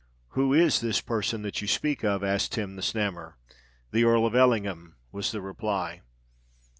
"Who is this person that you speak of?" asked Tim the Snammer. "The Earl of Ellingham," was the reply.